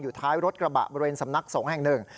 อยู่ท้ายรถกระบะบริเวณสำนัก๒แห่ง๑